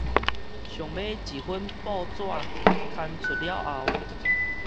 上尾一份報紙刊出了後